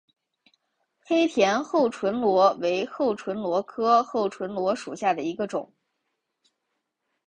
黑田厚唇螺为厚唇螺科厚唇螺属下的一个种。